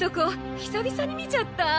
久々に見ちゃった！